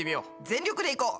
全力でいこう。